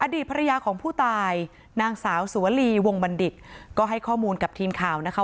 อดีตภรรยาของผู้ตายนางสาวสุวลีวงบัณฑิตก็ให้ข้อมูลกับทีมข่าวนะคะ